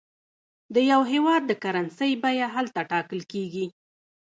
د یو هېواد د کرنسۍ بیه هلته ټاکل کېږي.